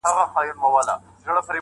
د انسانانو جهالت له موجه، اوج ته تللی,